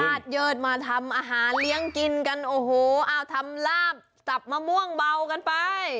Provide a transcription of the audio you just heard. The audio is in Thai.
เยิดมาทำอาหารเลี้ยงกินกันโอ้โหเอาทำลาบจับมะม่วงเบากันไป